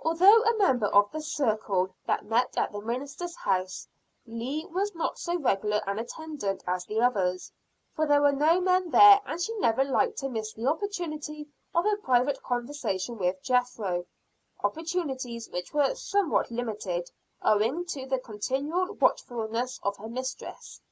Although a member of the "circle" that met at the minister's house, Leah was not so regular an attendant as the others; for there were no men there and she never liked to miss the opportunity of a private conversation with Jethro, opportunities which were somewhat limited, owing to the continual watchfulness of her mistress.